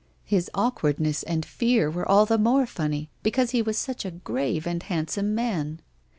His awkwardness and fear wei"e all the more funny, because he was svich a grave, handsome man.